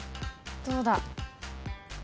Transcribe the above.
どうだ。